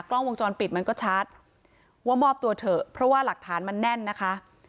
กล้องวงจรปิดมันก็ชัดว่ามอบตัวเถอะเพราะว่าหลักฐานมันแน่นนะคะ